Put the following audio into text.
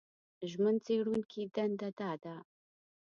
ژمن څېړونکي دنده دا ده